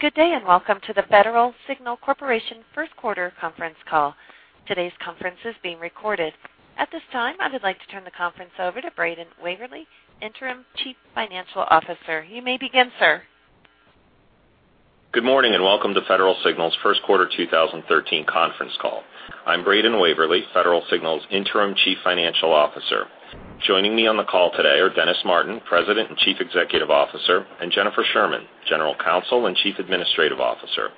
Good day. Welcome to the Federal Signal Corporation first quarter conference call. Today's conference is being recorded. At this time, I would like to turn the conference over to Braden Waverley, Interim Chief Financial Officer. You may begin, sir. Good morning. Welcome to Federal Signal's first quarter 2013 conference call. I'm Braden Waverley, Federal Signal's Interim Chief Financial Officer. Joining me on the call today are Dennis Martin, President and Chief Executive Officer, Jennifer Sherman, General Counsel and Chief Administrative Officer.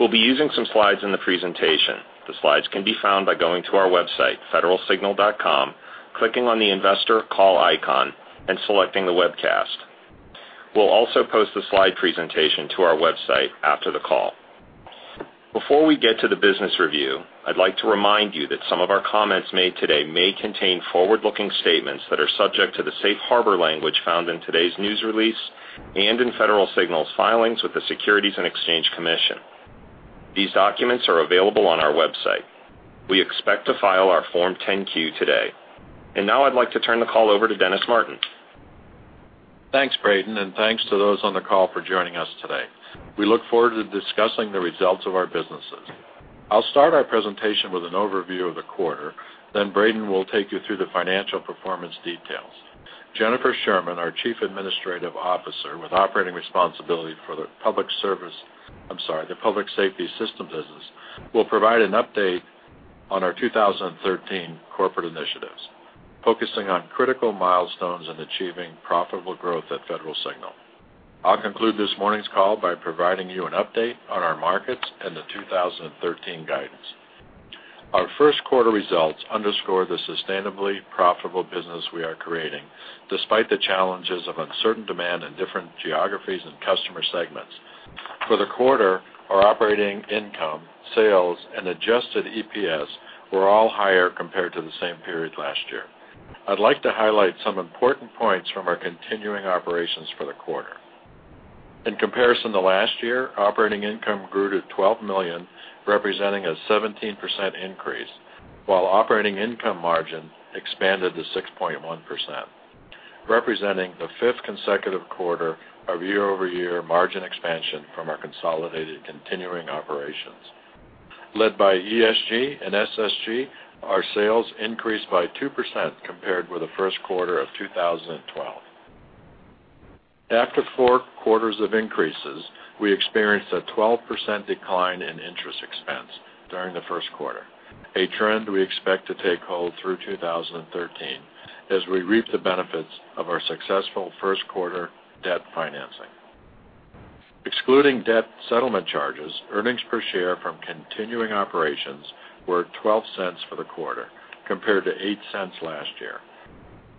We'll be using some slides in the presentation. The slides can be found by going to our website, federalsignal.com, clicking on the investor call icon and selecting the webcast. We'll also post the slide presentation to our website after the call. Before we get to the business review, I'd like to remind you that some of our comments made today may contain forward-looking statements that are subject to the safe harbor language found in today's news release and in Federal Signal's filings with the Securities and Exchange Commission. These documents are available on our website. We expect to file our Form 10-Q today. Now I'd like to turn the call over to Dennis Martin. Thanks, Braden. Thanks to those on the call for joining us today. We look forward to discussing the results of our businesses. I'll start our presentation with an overview of the quarter. Braden will take you through the financial performance details. Jennifer Sherman, our Chief Administrative Officer with operating responsibility for the public safety system business, will provide an update on our 2013 corporate initiatives, focusing on critical milestones in achieving profitable growth at Federal Signal. I'll conclude this morning's call by providing you an update on our markets and the 2013 guidance. Our first quarter results underscore the sustainably profitable business we are creating, despite the challenges of uncertain demand in different geographies and customer segments. For the quarter, our operating income, sales, and adjusted EPS were all higher compared to the same period last year. I'd like to highlight some important points from our continuing operations for the quarter. In comparison to last year, operating income grew to $12 million, representing a 17% increase, while operating income margin expanded to 6.1%, representing the fifth consecutive quarter of year-over-year margin expansion from our consolidated continuing operations. Led by ESG and SSG, our sales increased by 2% compared with the first quarter of 2012. After four quarters of increases, we experienced a 12% decline in interest expense during the first quarter, a trend we expect to take hold through 2013 as we reap the benefits of our successful first quarter debt financing. Excluding debt settlement charges, earnings per share from continuing operations were $0.12 for the quarter, compared to $0.08 last year,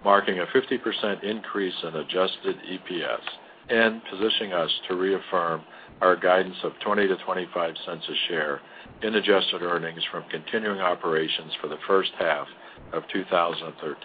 marking a 50% increase in adjusted EPS and positioning us to reaffirm our guidance of $0.20 to $0.25 a share in adjusted earnings from continuing operations for the first half of 2013.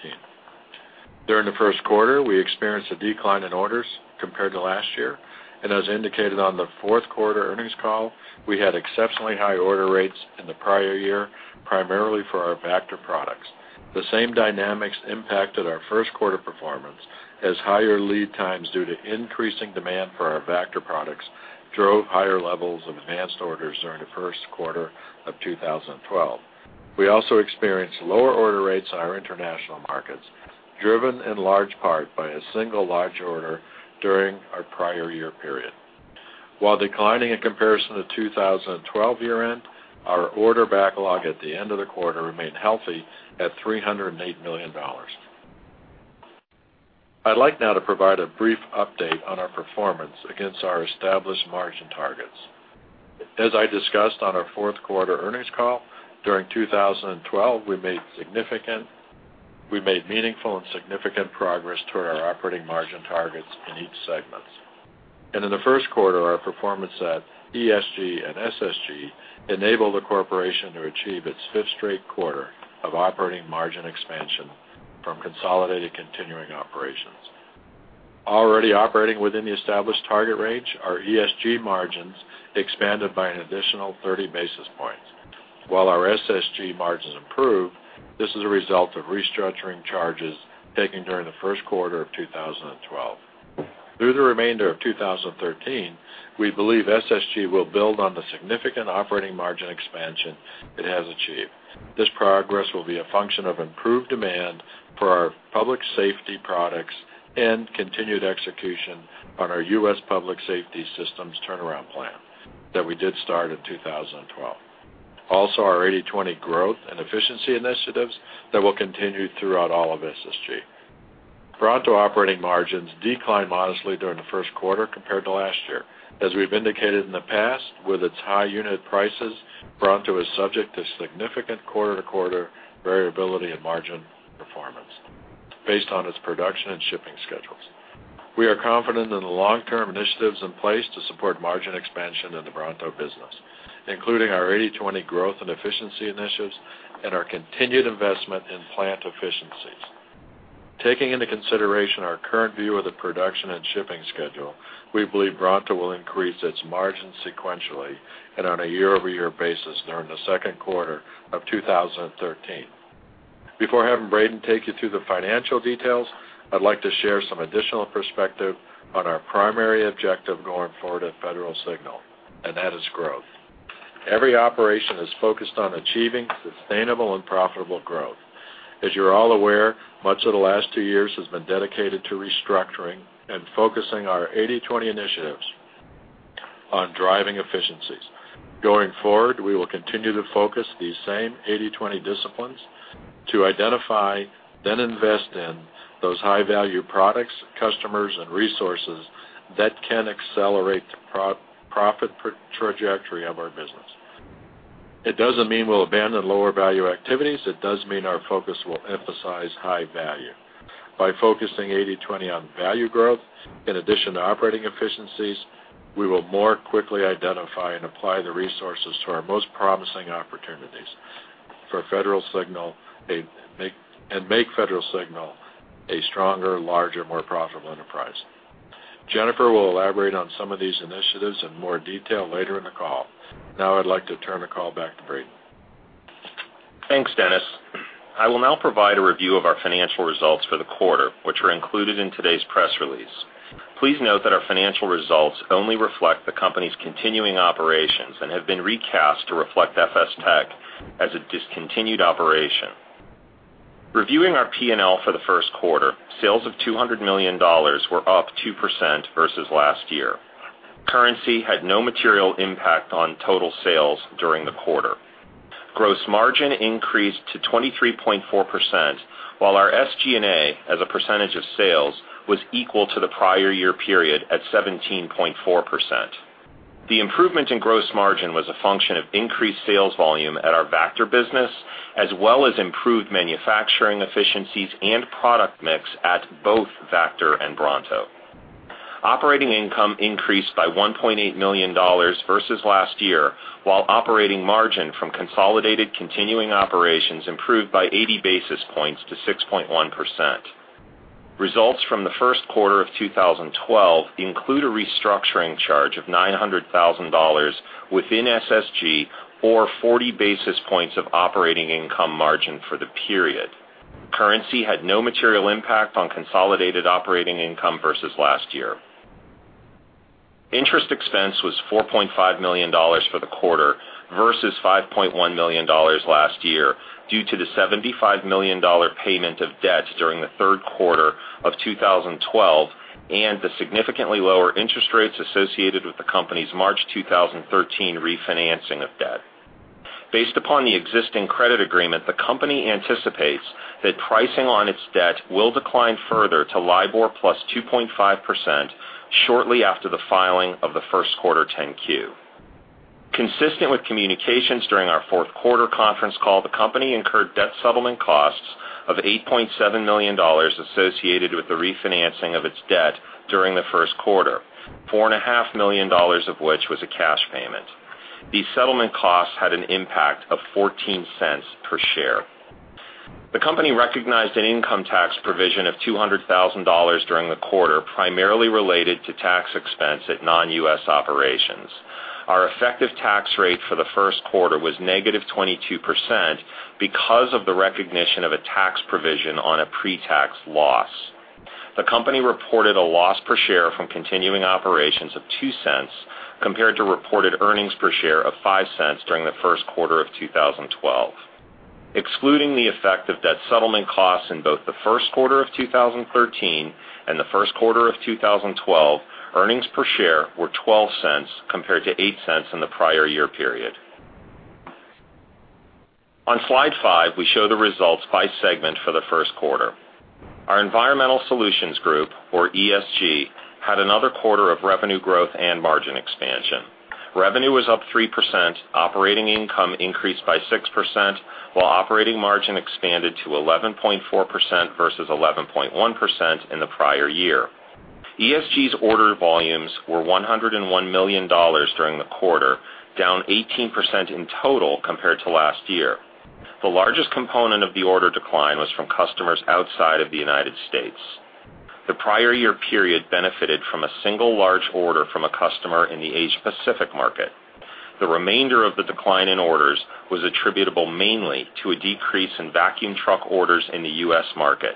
During the first quarter, we experienced a decline in orders compared to last year. As indicated on the fourth quarter earnings call, we had exceptionally high order rates in the prior year, primarily for our Vactor products. The same dynamics impacted our first quarter performance, as higher lead times due to increasing demand for our Vactor products drove higher levels of advanced orders during the first quarter of 2012. We also experienced lower order rates in our international markets, driven in large part by a single large order during our prior year period. While declining in comparison to 2012 year-end, our order backlog at the end of the quarter remained healthy at $308 million. I'd like now to provide a brief update on our performance against our established margin targets. As I discussed on our fourth quarter earnings call, during 2012, we made meaningful and significant progress toward our operating margin targets in each segment. In the first quarter, our performance at ESG and SSG enabled the corporation to achieve its fifth straight quarter of operating margin expansion from consolidated continuing operations. Already operating within the established target range, our ESG margins expanded by an additional 30 basis points. While our SSG margins improved, this is a result of restructuring charges taken during the first quarter of 2012. Through the remainder of 2013, we believe SSG will build on the significant operating margin expansion it has achieved. This progress will be a function of improved demand for our public safety products and continued execution on our U.S. public safety systems turnaround plan that we did start in 2012. Our 80/20 growth and efficiency initiatives that will continue throughout all of SSG. Bronto operating margins declined modestly during the first quarter compared to last year. As we've indicated in the past, with its high unit prices, Bronto is subject to significant quarter-to-quarter variability in margin performance based on its production and shipping schedules. We are confident in the long-term initiatives in place to support margin expansion in the Bronto business, including our 80/20 growth and efficiency initiatives and our continued investment in plant efficiencies. Taking into consideration our current view of the production and shipping schedule, we believe Bronto will increase its margin sequentially and on a year-over-year basis during the second quarter of 2013. Before having Braden take you through the financial details, I'd like to share some additional perspective on our primary objective going forward at Federal Signal, that is growth. Every operation is focused on achieving sustainable and profitable growth. As you're all aware, much of the last two years has been dedicated to restructuring and focusing our 80/20 initiatives on driving efficiencies. Going forward, we will continue to focus these same 80/20 disciplines to identify, then invest in those high-value products, customers, and resources that can accelerate the profit trajectory of our business. It doesn't mean we'll abandon lower-value activities. It does mean our focus will emphasize high value. By focusing 80/20 on value growth, in addition to operating efficiencies, we will more quickly identify and apply the resources to our most promising opportunities, make Federal Signal a stronger, larger, more profitable enterprise. Jennifer will elaborate on some of these initiatives in more detail later in the call. Now I'd like to turn the call back to Braden. Thanks, Dennis. I will now provide a review of our financial results for the quarter, which are included in today's press release. Please note that our financial results only reflect the company's continuing operations and have been recast to reflect FS Tech as a discontinued operation. Reviewing our P&L for the first quarter, sales of $200 million were up 2% versus last year. Currency had no material impact on total sales during the quarter. Gross margin increased to 23.4%, while our SG&A as a percentage of sales, was equal to the prior year period at 17.4%. The improvement in gross margin was a function of increased sales volume at our Vactor business, as well as improved manufacturing efficiencies and product mix at both Vactor and Bronto. Operating income increased by $1.8 million versus last year, while operating margin from consolidated continuing operations improved by 80 basis points to 6.1%. Results from the first quarter of 2012 include a restructuring charge of $900,000 within SSG, or 40 basis points of operating income margin for the period. Currency had no material impact on consolidated operating income versus last year. Interest expense was $4.5 million for the quarter versus $5.1 million last year due to the $75 million payment of debts during the third quarter of 2012, and the significantly lower interest rates associated with the company's March 2013 refinancing of debt. Based upon the existing credit agreement, the company anticipates that pricing on its debt will decline further to LIBOR plus 2.5% shortly after the filing of the first quarter 10-Q. Consistent with communications during our fourth quarter conference call, the company incurred debt settlement costs of $8.7 million associated with the refinancing of its debt during the first quarter, $4.5 million of which was a cash payment. These settlement costs had an impact of $0.14 per share. The company recognized an income tax provision of $200,000 during the quarter, primarily related to tax expense at non-U.S. operations. Our effective tax rate for the first quarter was -22% because of the recognition of a tax provision on a pretax loss. The company reported a loss per share from continuing operations of $0.02, compared to reported earnings per share of $0.05 during the first quarter of 2012. Excluding the effect of debt settlement costs in both the first quarter of 2013 and the first quarter of 2012, earnings per share were $0.12 compared to $0.08 in the prior year period. On slide five, we show the results by segment for the first quarter. Our Environmental Solutions Group, or ESG, had another quarter of revenue growth and margin expansion. Revenue was up 3%, operating income increased by 6%, while operating margin expanded to 11.4% versus 11.1% in the prior year. ESG's order volumes were $101 million during the quarter, down 18% in total compared to last year. The largest component of the order decline was from customers outside of the United States. The prior year period benefited from a single large order from a customer in the Asia Pacific market. The remainder of the decline in orders was attributable mainly to a decrease in vacuum truck orders in the U.S. market.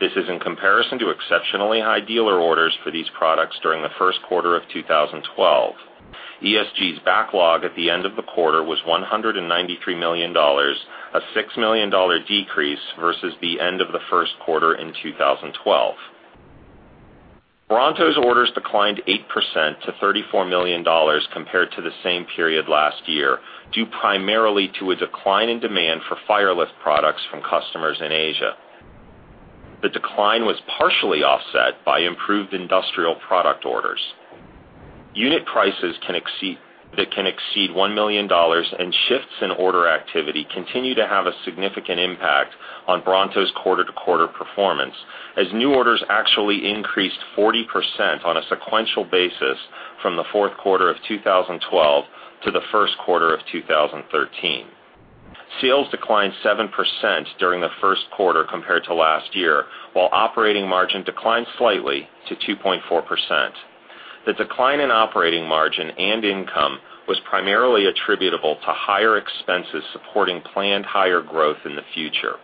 This is in comparison to exceptionally high dealer orders for these products during the first quarter of 2012. ESG's backlog at the end of the quarter was $193 million, a $6 million decrease versus the end of the first quarter in 2012. Bronto's orders declined 8% to $34 million compared to the same period last year, due primarily to a decline in demand for fire lift products from customers in Asia. The decline was partially offset by improved industrial product orders. Unit prices that can exceed $1 million and shifts in order activity continue to have a significant impact on Bronto's quarter-to-quarter performance, as new orders actually increased 40% on a sequential basis from the fourth quarter of 2012 to the first quarter of 2013. Sales declined 7% during the first quarter compared to last year, while operating margin declined slightly to 2.4%. The decline in operating margin and income was primarily attributable to higher expenses supporting planned higher growth in the future.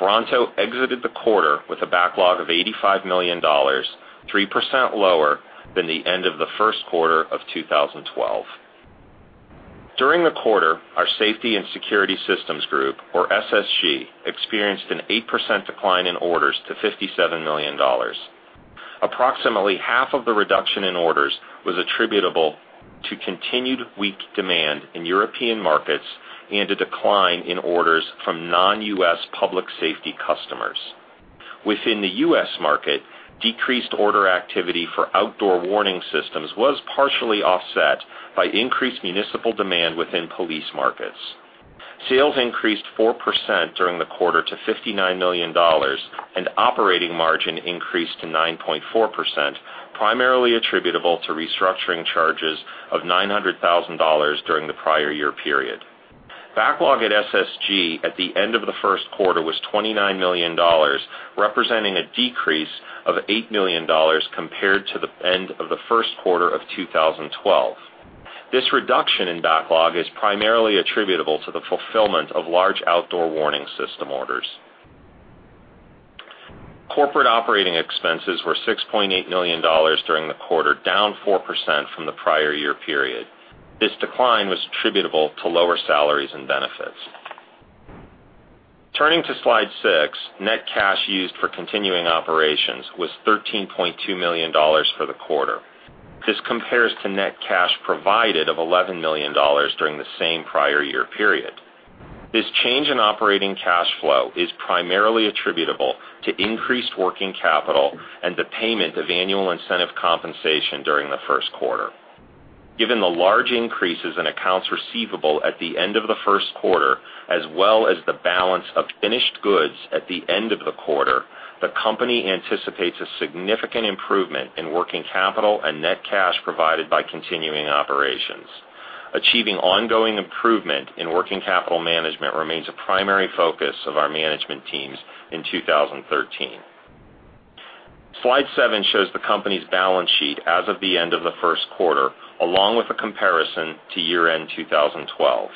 Bronto exited the quarter with a backlog of $85 million, 3% lower than the end of the first quarter of 2012. During the quarter, our Safety and Security Systems Group, or SSG, experienced an 8% decline in orders to $57 million. Approximately half of the reduction in orders was attributable to continued weak demand in European markets and a decline in orders from non-U.S. public safety customers. Within the U.S. market, decreased order activity for outdoor warning systems was partially offset by increased municipal demand within police markets. Sales increased 4% during the quarter to $59 million, and operating margin increased to 9.4%, primarily attributable to restructuring charges of $900,000 during the prior year period. Backlog at SSG at the end of the first quarter was $29 million, representing a decrease of $8 million compared to the end of the first quarter of 2012. This reduction in backlog is primarily attributable to the fulfillment of large outdoor warning system orders. Corporate operating expenses were $6.8 million during the quarter, down 4% from the prior year period. This decline was attributable to lower salaries and benefits. Turning to slide six, net cash used for continuing operations was $13.2 million for the quarter. This compares to net cash provided of $11 million during the same prior year period. This change in operating cash flow is primarily attributable to increased working capital and the payment of annual incentive compensation during the first quarter. Given the large increases in accounts receivable at the end of the first quarter, as well as the balance of finished goods at the end of the quarter, the company anticipates a significant improvement in working capital and net cash provided by continuing operations. Achieving ongoing improvement in working capital management remains a primary focus of our management teams in 2013. Slide seven shows the company's balance sheet as of the end of the first quarter, along with a comparison to year-end 2012.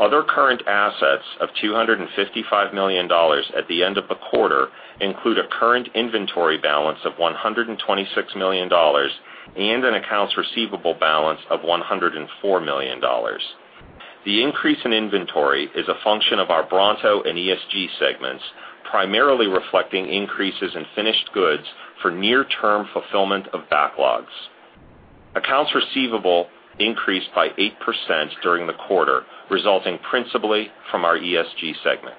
Other current assets of $255 million at the end of the quarter include a current inventory balance of $126 million and an accounts receivable balance of $104 million. The increase in inventory is a function of our Bronto and ESG segments, primarily reflecting increases in finished goods for near-term fulfillment of backlogs. Accounts receivable increased by 8% during the quarter, resulting principally from our ESG segment.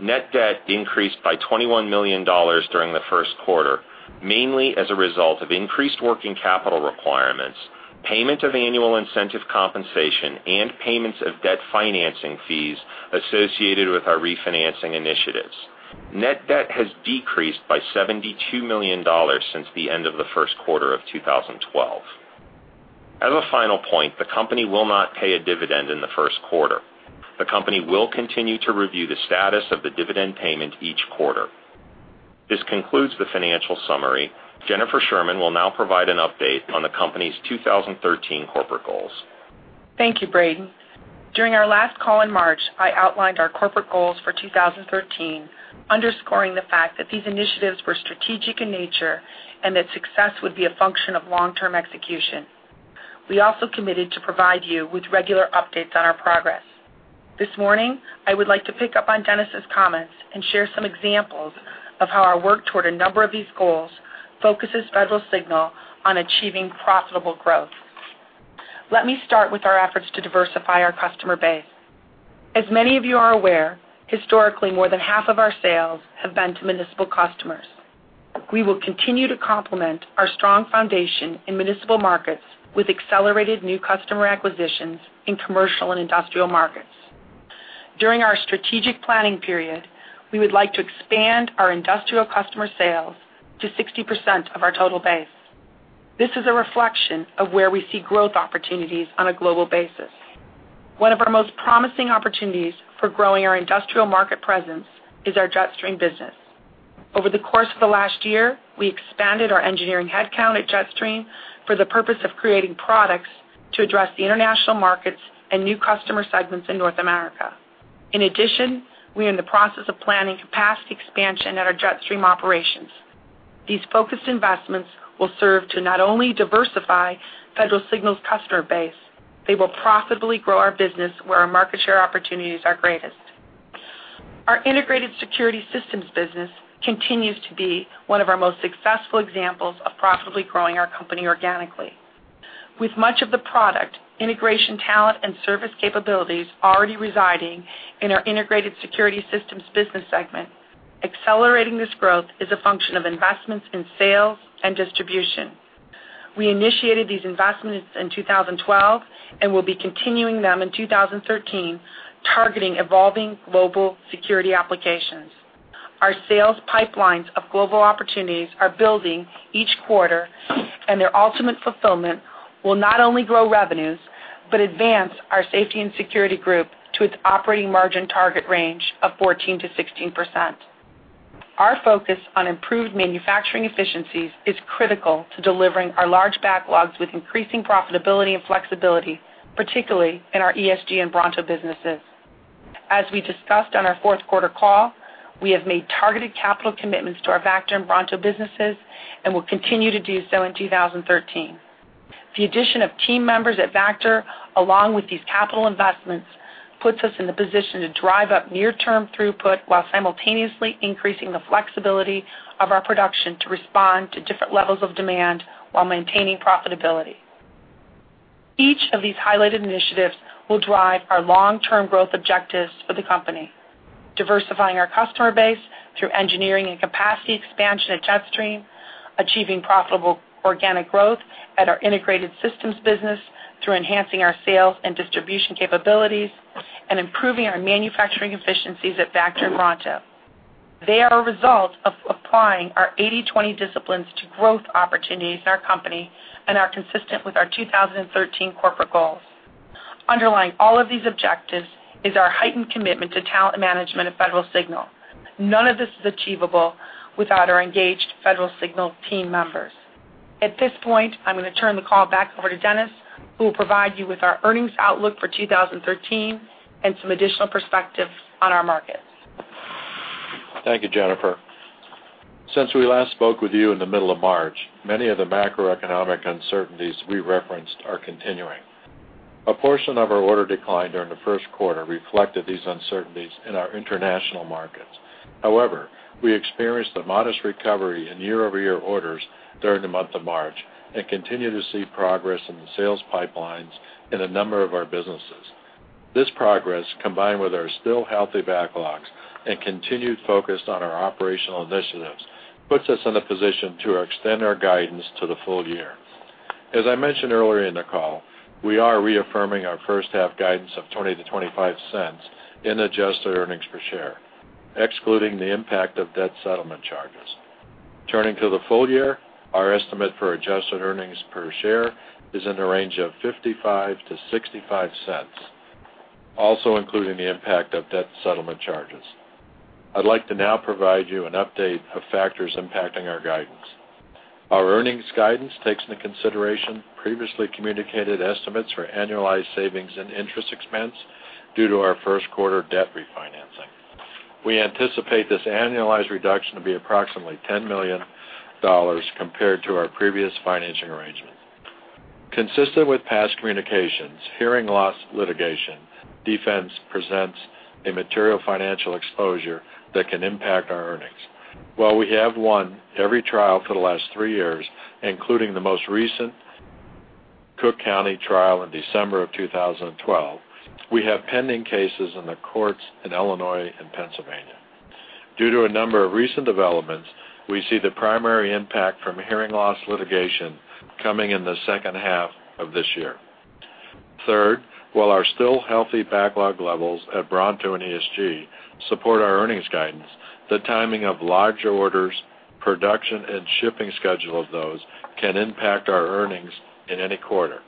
Net debt increased by $21 million during the first quarter, mainly as a result of increased working capital requirements, payment of annual incentive compensation, and payments of debt financing fees associated with our refinancing initiatives. Net debt has decreased by $72 million since the end of the first quarter of 2012. As a final point, the company will not pay a dividend in the first quarter. The company will continue to review the status of the dividend payment each quarter. This concludes the financial summary. Jennifer Sherman will now provide an update on the company's 2013 corporate goals. Thank you, Braden. During our last call in March, I outlined our corporate goals for 2013, underscoring the fact that these initiatives were strategic in nature and that success would be a function of long-term execution. We also committed to provide you with regular updates on our progress. This morning, I would like to pick up on Dennis' comments and share some examples of how our work toward a number of these goals focuses Federal Signal on achieving profitable growth. Let me start with our efforts to diversify our customer base. As many of you are aware, historically, more than half of our sales have been to municipal customers. We will continue to complement our strong foundation in municipal markets with accelerated new customer acquisitions in commercial and industrial markets. During our strategic planning period, we would like to expand our industrial customer sales to 60% of our total base. This is a reflection of where we see growth opportunities on a global basis. One of our most promising opportunities for growing our industrial market presence is our Jetstream business. Over the course of the last year, we expanded our engineering headcount at Jetstream for the purpose of creating products to address the international markets and new customer segments in North America. In addition, we are in the process of planning capacity expansion at our Jetstream operations. These focused investments will serve to not only diversify Federal Signal's customer base, they will profitably grow our business where our market share opportunities are greatest. Our integrated security systems business continues to be one of our most successful examples of profitably growing our company organically. With much of the product, integration talent, and service capabilities already residing in our integrated security systems business segment, accelerating this growth is a function of investments in sales and distribution. We initiated these investments in 2012 and will be continuing them in 2013, targeting evolving global security applications. Their ultimate fulfillment will not only grow revenues, but advance our Safety and Security Group to its operating margin target range of 14%-16%. Our focus on improved manufacturing efficiencies is critical to delivering our large backlogs with increasing profitability and flexibility, particularly in our ESG and Bronto businesses. As we discussed on our fourth quarter call, we have made targeted capital commitments to our Vactor and Bronto businesses and will continue to do so in 2013. The addition of team members at Vactor, along with these capital investments, puts us in the position to drive up near-term throughput while simultaneously increasing the flexibility of our production to respond to different levels of demand while maintaining profitability. Each of these highlighted initiatives will drive our long-term growth objectives for the company, diversifying our customer base through engineering and capacity expansion at Jetstream, achieving profitable organic growth at our integrated systems business through enhancing our sales and distribution capabilities, improving our manufacturing efficiencies at Vactor and Bronto. They are a result of applying our 80/20 disciplines to growth opportunities in our company and are consistent with our 2013 corporate goals. Underlying all of these objectives is our heightened commitment to talent management at Federal Signal. None of this is achievable without our engaged Federal Signal team members. At this point, I'm going to turn the call back over to Dennis, who will provide you with our earnings outlook for 2013 and some additional perspective on our markets. Thank you, Jennifer. Since we last spoke with you in the middle of March, many of the macroeconomic uncertainties we referenced are continuing. A portion of our order decline during the first quarter reflected these uncertainties in our international markets. We experienced a modest recovery in year-over-year orders during the month of March and continue to see progress in the sales pipelines in a number of our businesses. This progress, combined with our still healthy backlogs and continued focus on our operational initiatives, puts us in a position to extend our guidance to the full year. As I mentioned earlier in the call, we are reaffirming our first half guidance of $0.20-$0.25 in adjusted earnings per share, excluding the impact of debt settlement charges. Turning to the full year, our estimate for adjusted earnings per share is in the range of $0.55-$0.65, also excluding the impact of debt settlement charges. I'd like to now provide you an update of factors impacting our guidance. Our earnings guidance takes into consideration previously communicated estimates for annualized savings and interest expense due to our first quarter debt refinancing. We anticipate this annualized reduction to be approximately $10 million compared to our previous financing arrangement. Consistent with past communications, hearing loss litigation defense presents a material financial exposure that can impact our earnings. While we have won every trial for the last three years, including the most recent Cook County trial in December of 2012, we have pending cases in the courts in Illinois and Pennsylvania. Due to a number of recent developments, we see the primary impact from hearing loss litigation coming in the second half of this year. Third, while our still healthy backlog levels at Bronto and ESG support our earnings guidance, the timing of large orders, production, and shipping schedule of those can impact our earnings in any quarter.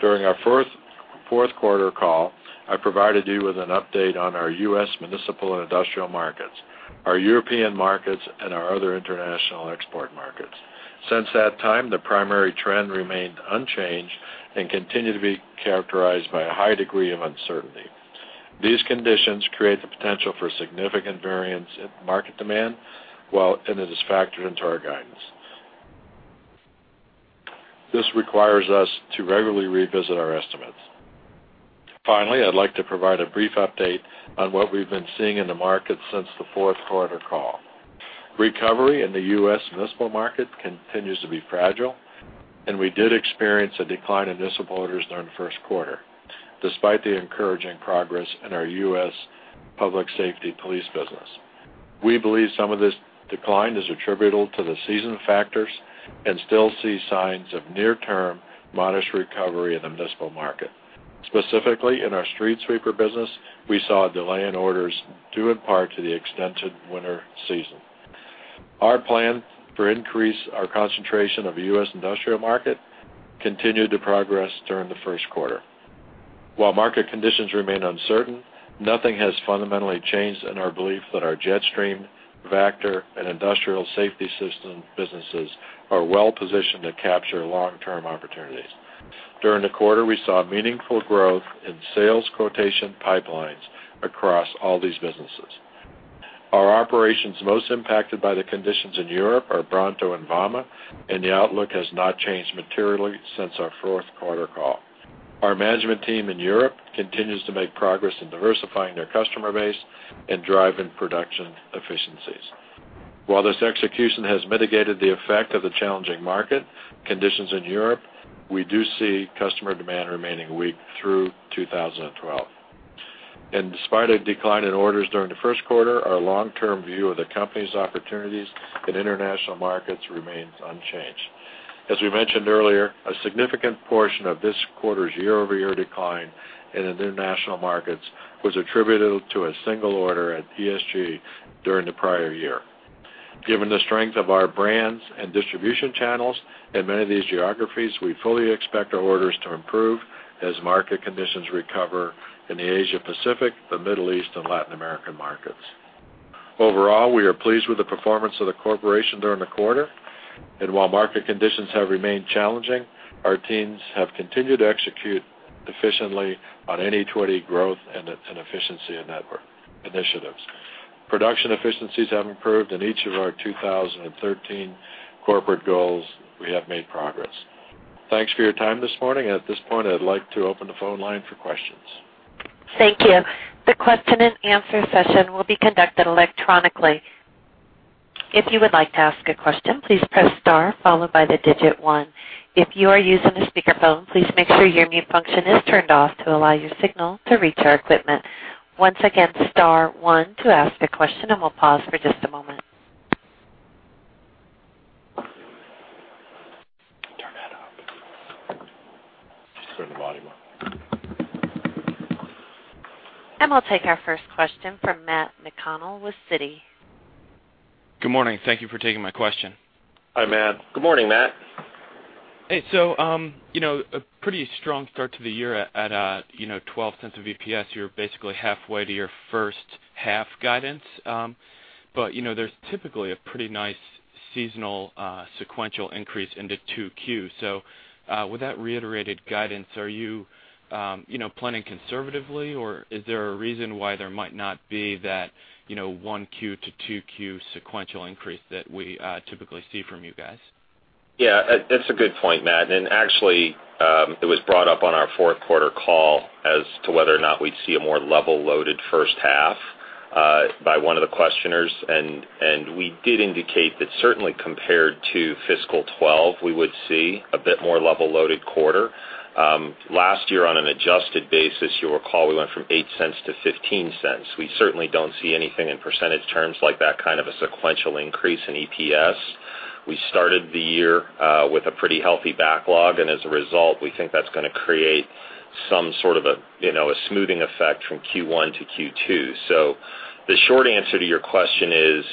During our fourth quarter call, I provided you with an update on our U.S. municipal and industrial markets, our European markets, and our other international export markets. Since that time, the primary trend remained unchanged and continue to be characterized by a high degree of uncertainty. These conditions create the potential for significant variance in market demand. It is factored into our guidance. This requires us to regularly revisit our estimates. Finally, I'd like to provide a brief update on what we've been seeing in the market since the fourth quarter call. Recovery in the U.S. municipal market continues to be fragile. We did experience a decline in municipal orders during the first quarter, despite the encouraging progress in our U.S. public safety police business. We believe some of this decline is attributable to the season factors and still see signs of near-term modest recovery in the municipal market. Specifically, in our street sweeper business, we saw a delay in orders due in part to the extended winter season. Our plan to increase our concentration of the U.S. industrial market continued to progress during the first quarter. While market conditions remain uncertain, nothing has fundamentally changed in our belief that our Jetstream, Vactor, and Industrial Safety Systems businesses are well positioned to capture long-term opportunities. During the quarter, we saw meaningful growth in sales quotation pipelines across all these businesses. Our operations most impacted by the conditions in Europe are Bronto and Vama. The outlook has not changed materially since our fourth quarter call. Our management team in Europe continues to make progress in diversifying their customer base and driving production efficiencies. While this execution has mitigated the effect of the challenging market conditions in Europe, we do see customer demand remaining weak through [2013]. In spite of decline in orders during the first quarter, our long-term view of the company's opportunities in international markets remains unchanged. As we mentioned earlier, a significant portion of this quarter's year-over-year decline in the international markets was attributed to a single order at ESG during the prior year. Given the strength of our brands and distribution channels in many of these geographies, we fully expect our orders to improve as market conditions recover in the Asia Pacific, the Middle East, and Latin American markets. Overall, we are pleased with the performance of the corporation during the quarter. While market conditions have remained challenging, our teams have continued to execute efficiently on 80/20 growth and efficiency initiatives. Production efficiencies have improved in each of our 2013 corporate goals, we have made progress. Thanks for your time this morning. At this point, I'd like to open the phone line for questions. Thank you. The question and answer session will be conducted electronically. If you would like to ask a question, please press star followed by the digit 1. If you are using a speakerphone, please make sure your mute function is turned off to allow your signal to reach our equipment. Once again, star 1 to ask a question. We'll pause for just a moment. Turn that up. Just turn the volume up. We'll take our first question from Matt McConnell with Citi. Good morning. Thank you for taking my question. Hi, Matt. Good morning, Matt. Hey, a pretty strong start to the year at $0.12 of EPS. You're basically halfway to your first-half guidance. There's typically a pretty nice seasonal sequential increase into 2Q. With that reiterated guidance, are you planning conservatively, or is there a reason why there might not be that 1Q to 2Q sequential increase that we typically see from you guys? Yeah, that's a good point, Matt. Actually, it was brought up on our fourth quarter call as to whether or not we'd see a more level-loaded first half by one of the questioners. We did indicate that certainly compared to fiscal 2012, we would see a bit more level-loaded quarter. Last year on an adjusted basis, you'll recall we went from $0.08 to $0.15. We certainly don't see anything in percentage terms like that kind of a sequential increase in EPS. We started the year with a pretty healthy backlog, and as a result, we think that's going to create some sort of a smoothing effect from Q1 to Q2. The short answer to your question is,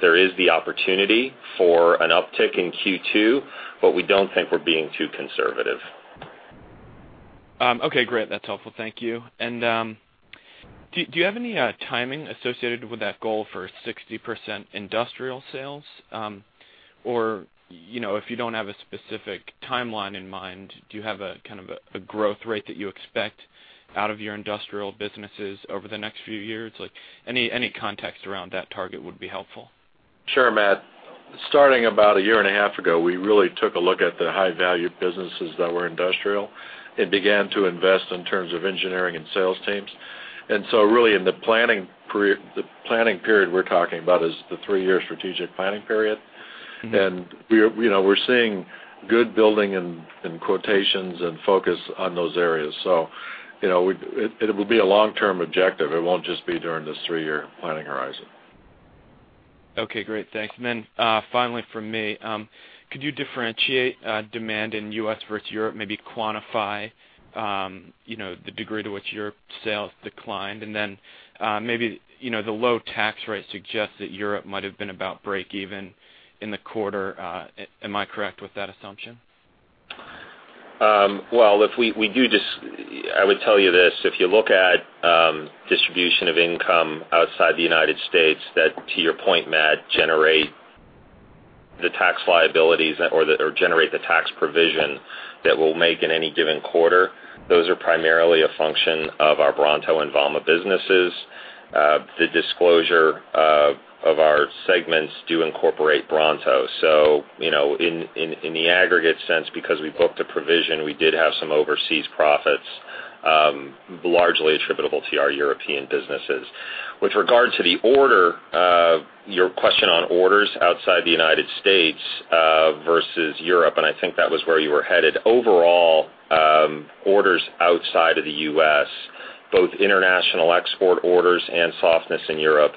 there is the opportunity for an uptick in Q2, but we don't think we're being too conservative. Okay, great. That's helpful. Thank you. Do you have any timing associated with that goal for 60% industrial sales? If you don't have a specific timeline in mind, do you have a kind of growth rate that you expect out of your industrial businesses over the next few years? Any context around that target would be helpful. Sure, Matt. Starting about a year and a half ago, we really took a look at the high-value businesses that were industrial and began to invest in terms of engineering and sales teams. Really in the planning period we're talking about is the three-year strategic planning period. We're seeing good building and quotations and focus on those areas. It will be a long-term objective. It won't just be during this three-year planning horizon. Okay, great. Thanks. Finally from me, could you differentiate demand in U.S. versus Europe, maybe quantify the degree to which your sales declined? Maybe the low tax rate suggests that Europe might have been about breakeven in the quarter. Am I correct with that assumption? Well, I would tell you this. If you look at distribution of income outside the United States, that to your point, Matt, generate the tax liabilities or generate the tax provision that we'll make in any given quarter. Those are primarily a function of our Bronto and Vama businesses. The disclosure of our segments do incorporate Bronto. In the aggregate sense, because we booked a provision, we did have some overseas profits largely attributable to our European businesses. With regard to the order, your question on orders outside the United States versus Europe, I think that was where you were headed. Overall, orders outside of the U.S., both international export orders and softness in Europe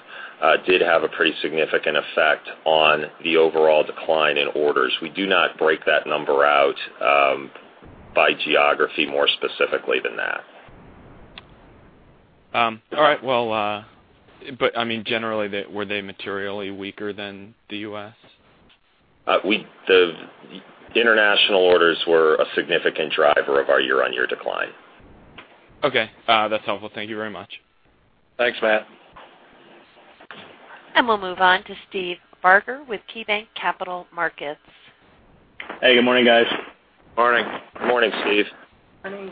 did have a pretty significant effect on the overall decline in orders. We do not break that number out by geography more specifically than that. All right. Generally, were they materially weaker than the U.S.? The international orders were a significant driver of our year-on-year decline. Okay. That's helpful. Thank you very much. Thanks, Matt. We'll move on to Steve Barger with KeyBanc Capital Markets. Hey, good morning, guys. Morning. Morning, Steve. Morning.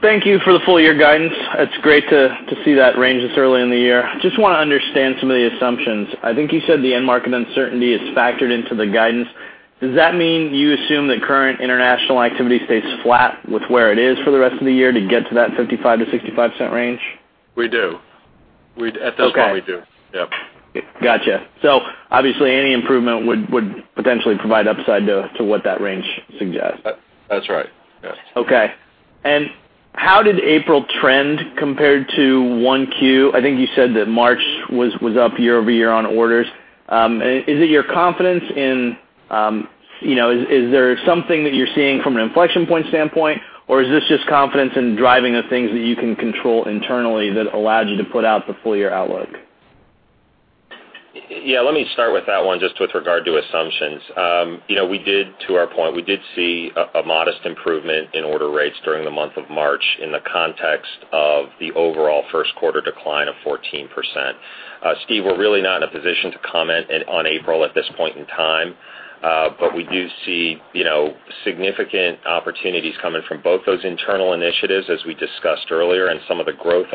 Thank you for the full-year guidance. It is great to see that range this early in the year. Just want to understand some of the assumptions. I think you said the end market uncertainty is factored into the guidance. Does that mean you assume that current international activity stays flat with where it is for the rest of the year to get to that $0.55-$0.65 range? We do. At this point we do. Yep. Got you. Obviously any improvement would potentially provide upside to what that range suggests. That's right. Yes. Okay. How did April trend compare to 1Q? I think you said that March was up year-over-year on orders. Is there something that you're seeing from an inflection point standpoint, or is this just confidence in driving the things that you can control internally that allowed you to put out the full-year outlook? Yeah, let me start with that one, just with regard to assumptions. To our point, we did see a modest improvement in order rates during the month of March in the context of the overall first quarter decline of 14%. Steve, we're really not in a position to comment on April at this point in time. We do see significant opportunities coming from both those internal initiatives as we discussed earlier, and some of the growth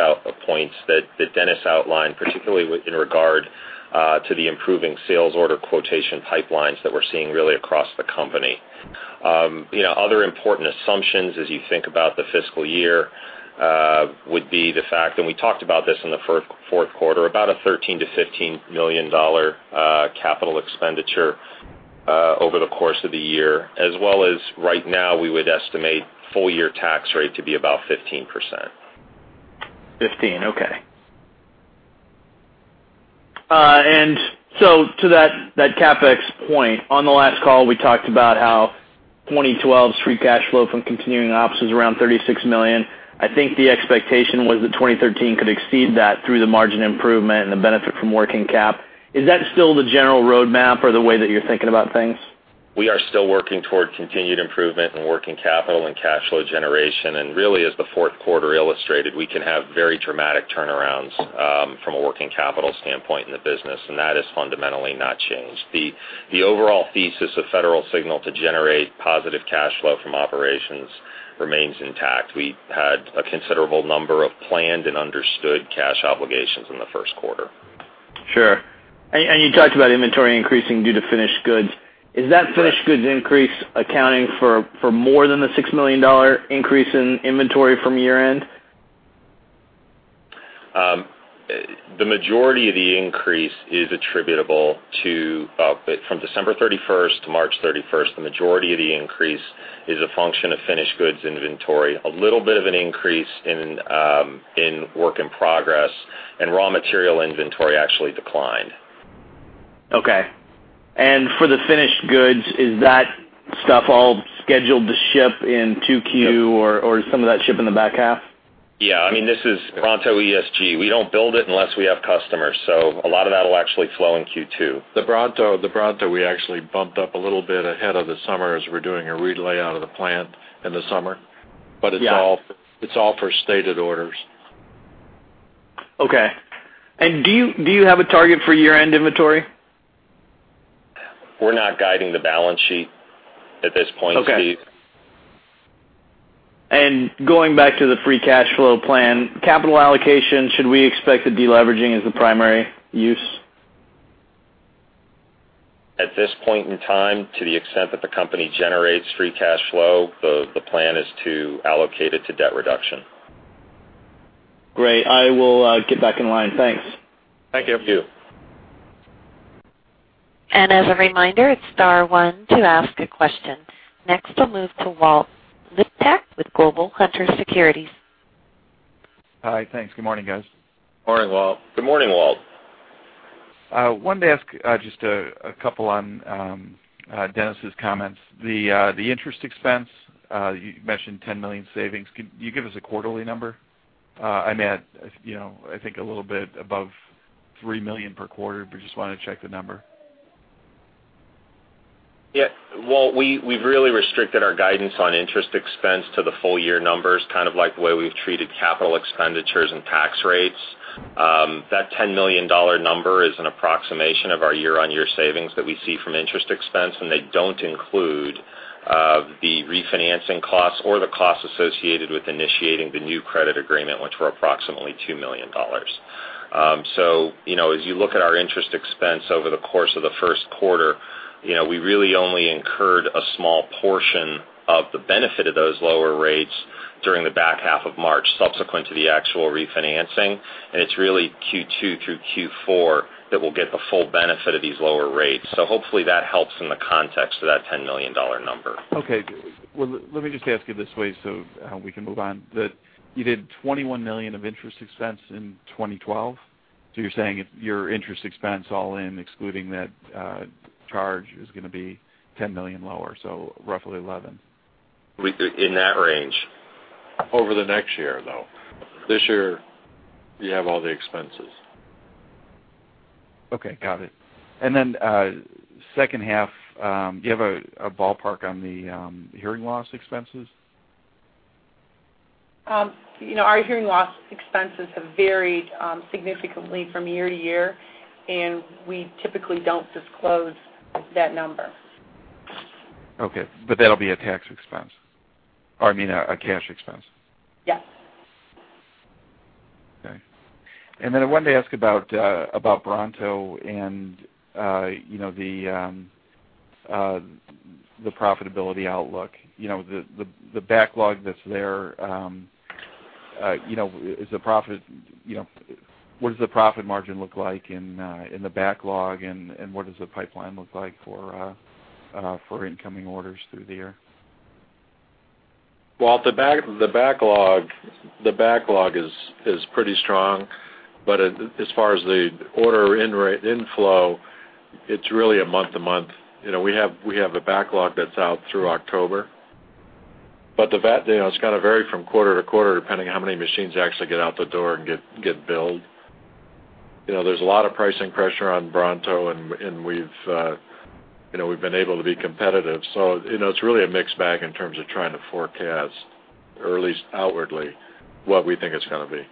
points that Dennis outlined, particularly in regard to the improving sales order quotation pipelines that we're seeing really across the company. Other important assumptions as you think about the fiscal year would be the fact, and we talked about this in the fourth quarter, about a $13 million-$15 million capital expenditure over the course of the year, as well as right now we would estimate full year tax rate to be about 15%. 15, okay. To that CapEx point, on the last call, we talked about how 2012's free cash flow from continuing ops was around $36 million. I think the expectation was that 2013 could exceed that through the margin improvement and the benefit from working cap. Is that still the general roadmap or the way that you're thinking about things? We are still working toward continued improvement in working capital and cash flow generation, and really as the fourth quarter illustrated, we can have very dramatic turnarounds from a working capital standpoint in the business, and that has fundamentally not changed. The overall thesis of Federal Signal to generate positive cash flow from operations remains intact. We had a considerable number of planned and understood cash obligations in the first quarter. Sure. You talked about inventory increasing due to finished goods. Is that finished goods increase accounting for more than the $6 million increase in inventory from year-end? From December 31st to March 31st, the majority of the increase is a function of finished goods inventory. A little bit of an increase in work in progress, raw material inventory actually declined. Okay. For the finished goods, is that stuff all scheduled to ship in 2Q or does some of that ship in the back half? Yeah, this is Bronto ESG. We don't build it unless we have customers, a lot of that'll actually flow in Q2. The Bronto we actually bumped up a little bit ahead of the summer as we're doing a re-layout of the plant in the summer. Yeah. It's all for stated orders. Okay. Do you have a target for year-end inventory? We're not guiding the balance sheet at this point, Steve. Okay. Going back to the free cash flow plan, capital allocation, should we expect the deleveraging as the primary use? At this point in time, to the extent that the company generates free cash flow, the plan is to allocate it to debt reduction. Great. I will get back in line. Thanks. Thank you. Thank you. As a reminder, it's star one to ask a question. Next, we'll move to Walter Liptak with Global Hunter Securities. Hi, thanks. Good morning, guys. Morning, Walt. Good morning, Walt. Wanted to ask just a couple on Dennis' comments. The interest expense, you mentioned $10 million savings. Can you give us a quarterly number? I think a little bit above $3 million per quarter, just want to check the number. Walt, we've really restricted our guidance on interest expense to the full year numbers, kind of like the way we've treated capital expenditures and tax rates. That $10 million number is an approximation of our year-over-year savings that we see from interest expense, they don't include the refinancing costs or the costs associated with initiating the new credit agreement, which were approximately $2 million. As you look at our interest expense over the course of the first quarter, we really only incurred a small portion of the benefit of those lower rates during the back half of March, subsequent to the actual refinancing. It's really Q2 through Q4 that we'll get the full benefit of these lower rates. Hopefully that helps in the context of that $10 million number. Okay. Well, let me just ask you this way we can move on. You did $21 million of interest expense in 2012? You're saying your interest expense all in, excluding that charge, is going to be $10 million lower, so roughly $11 million. In that range. Over the next year, though. This year you have all the expenses. Okay, got it. Second half, do you have a ballpark on the hearing loss expenses? Our hearing loss expenses have varied significantly from year to year, and we typically don't disclose that number. Okay, that'll be a tax expense, or, I mean, a cash expense? Yes. Okay. Then I wanted to ask about Bronto and the profitability outlook. The backlog that's there, what does the profit margin look like in the backlog, and what does the pipeline look like for incoming orders through the year? Walt, the backlog is pretty strong. As far as the order inflow, it's really a month-to-month. We have a backlog that's out through October. It's going to vary from quarter-to-quarter, depending how many machines actually get out the door and get billed. There's a lot of pricing pressure on Bronto, and we've been able to be competitive. It's really a mixed bag in terms of trying to forecast, or at least outwardly, what we think it's going to be.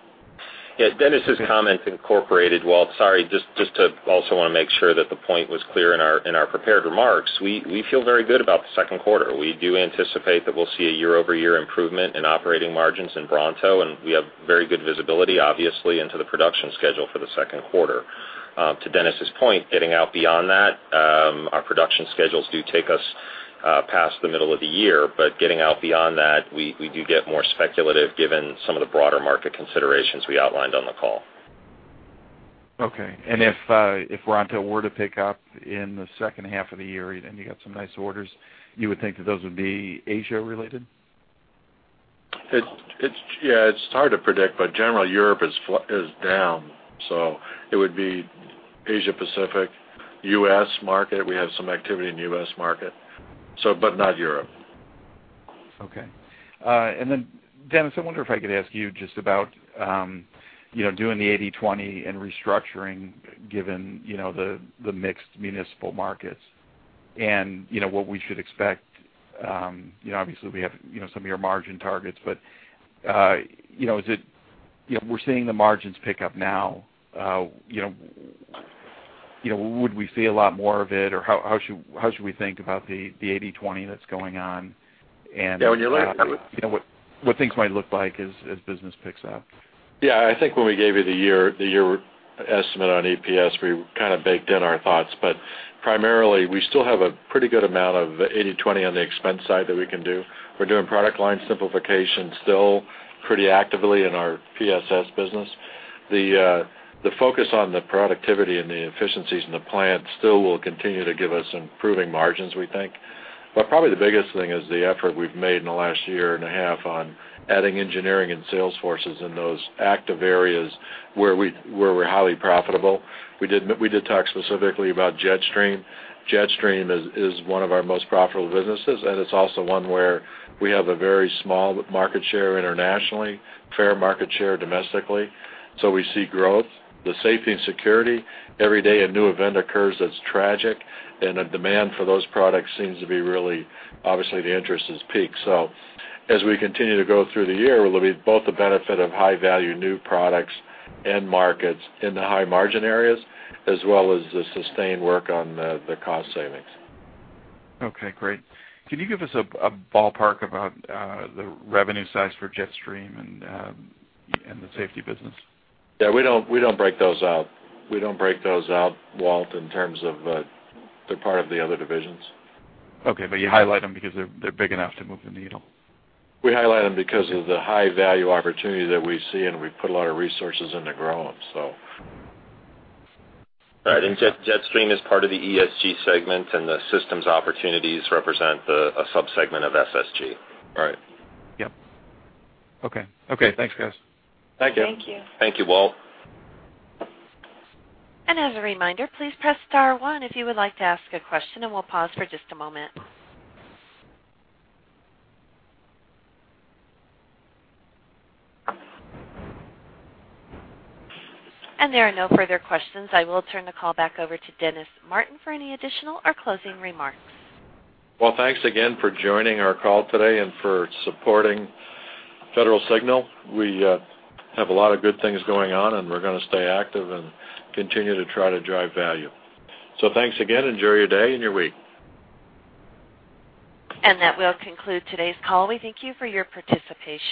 Yeah. Dennis' comment incorporated, Walt, sorry, just to also want to make sure that the point was clear in our prepared remarks. We feel very good about the second quarter. We do anticipate that we'll see a year-over-year improvement in operating margins in Bronto, and we have very good visibility, obviously, into the production schedule for the second quarter. To Dennis' point, getting out beyond that, our production schedules do take us past the middle of the year. Getting out beyond that, we do get more speculative given some of the broader market considerations we outlined on the call. Okay. If Bronto were to pick up in the second half of the year, and you got some nice orders, you would think that those would be Asia related? Yeah, it's hard to predict, but generally Europe is down, so it would be Asia Pacific, U.S. market. We have some activity in the U.S. market. Not Europe. Okay. Dennis, I wonder if I could ask you just about doing the 80/20 and restructuring, given the mixed municipal markets and what we should expect. Obviously, we have some of your margin targets, but we're seeing the margins pick up now. Would we see a lot more of it, or how should we think about the 80/20 that's going on? Yeah. What things might look like as business picks up? Yeah, I think when we gave you the year estimate on EPS, we kind of baked in our thoughts. Primarily, we still have a pretty good amount of 80/20 on the expense side that we can do. We're doing product line simplification still pretty actively in our PSS business. The focus on the productivity and the efficiencies in the plant still will continue to give us improving margins, we think. Probably the biggest thing is the effort we've made in the last year and a half on adding engineering and sales forces in those active areas where we're highly profitable. We did talk specifically about Jetstream. Jetstream is one of our most profitable businesses, and it's also one where we have a very small market share internationally, fair market share domestically. We see growth. The Safety and Security, every day a new event occurs that's tragic, the demand for those products seems to be really, obviously, the interest has peaked. As we continue to go through the year, it'll be both the benefit of high-value new products and markets in the high-margin areas, as well as the sustained work on the cost savings. Okay, great. Can you give us a ballpark about the revenue size for Jetstream and the Safety business? Yeah, we don't break those out. We don't break those out, Walt, in terms of they're part of the other divisions. Okay, you highlight them because they're big enough to move the needle. We highlight them because of the high-value opportunity that we see, we put a lot of resources into growing. Right, Jetstream is part of the ESG segment, the systems opportunities represent a sub-segment of SSG. Right. Yep. Okay, thanks, guys. Thank you. Thank you. Thank you, Walt. As a reminder, please press star one if you would like to ask a question, and we'll pause for just a moment. There are no further questions. I will turn the call back over to Dennis Martin for any additional or closing remarks. Well, thanks again for joining our call today and for supporting Federal Signal. We have a lot of good things going on. We're going to stay active and continue to try to drive value. Thanks again. Enjoy your day and your week. That will conclude today's call. We thank you for your participation.